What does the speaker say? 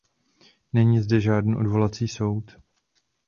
Není zde žádný odvolací soud.